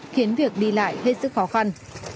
khiến việc đi lại hết sức khó khăn